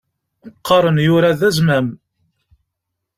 Qqaren yura d azmam.